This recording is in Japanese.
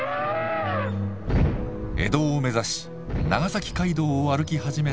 江戸を目指し長崎街道を歩き始めた象。